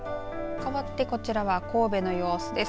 かわってこちらは神戸の様子です。